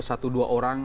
satu dua orang